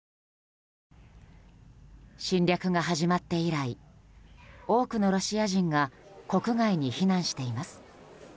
侵略が始まって以来多くのロシア人が国外に避難しています。